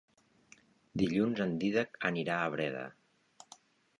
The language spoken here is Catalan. Dilluns en Dídac anirà a Breda.